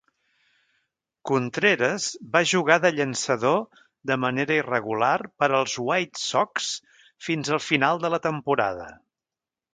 Contreras va jugar de llançador de manera irregular per als White Sox fins al final de la temporada.